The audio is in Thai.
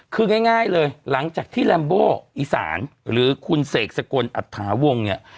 คือง่ายเลยหลังจากที่แรมโบอีสานหรือคุณเสกสกลอัตถาวงเนี่ย